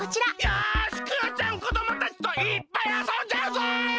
よしクヨちゃんこどもたちといっぱいあそんじゃうぞ！